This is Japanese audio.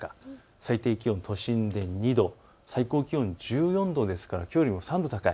最低気温都心で２度、最高気温１４度ですからきょうよりも３度高い。